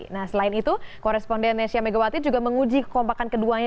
nah selain itu koresponden nesya megawati juga menguji kekompakan keduanya